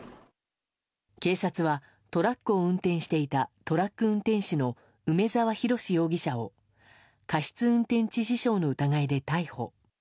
警察はトラックを運転していたトラック運転手の梅沢洋容疑者を過失運転致死傷の疑いで逮捕。